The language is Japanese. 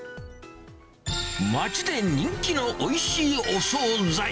街で人気のおいしいお総菜。